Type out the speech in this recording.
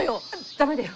駄目だよ。